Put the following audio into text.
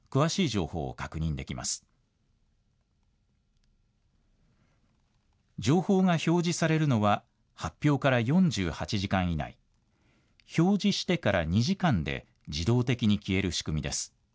情報が表示されるのは、発表から４８時間以内、表示してから２時間で、自動的に消える仕組みです。